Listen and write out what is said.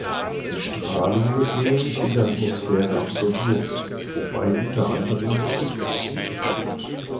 Die Strahlung wird nämlich in der Atmosphäre absorbiert, wobei unter anderem Stickoxid entsteht.